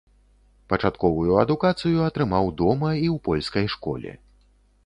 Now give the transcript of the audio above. Пачатковую адукацыю атрымаў дома і ў польскай школе.